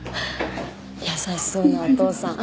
優しそうなお父さん。